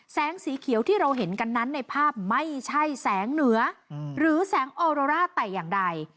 แสงสีเขียวที่เราเห็นกันนั้นในภาพไม่ใช่แสงเหนือหรือแสงออโรร่าแต่อย่างใด